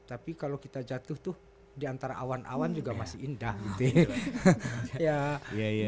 tapi kalau kita jatuh tuh di antara awan awan juga masih indah gitu ya